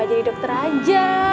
jadi dokter aja